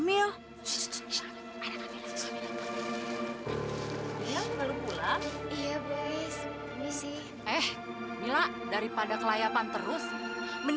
iya kak fadil